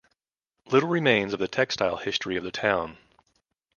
Little remains of the textile history of the town.